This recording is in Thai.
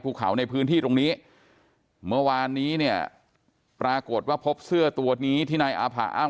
ภูเขาในพื้นที่ตรงนี้เมื่อวานนี้เนี่ยปรากฏว่าพบเสื้อตัวนี้ที่นายอาผ่าอ้าง